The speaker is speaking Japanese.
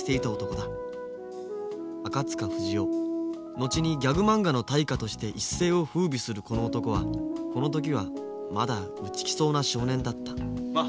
後にギャグまんがの大家として一世をふうびするこの男はこの時はまだ内気そうな少年だったまあ